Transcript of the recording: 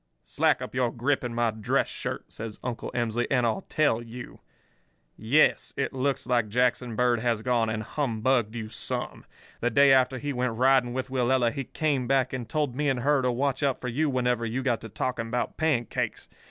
"'Slack up your grip in my dress shirt,' says Uncle Emsley, 'and I'll tell you. Yes, it looks like Jackson Bird has gone and humbugged you some. The day after he went riding with Willella he came back and told me and her to watch out for you whenever you got to talking about pancakes.